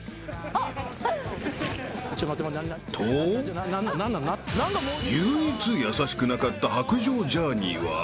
［唯一優しくなかった薄情ジャーニーは］